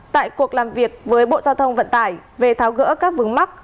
tại cuộc làm việc với bộ giao thông vận tải về tháo gỡ các vướng mắc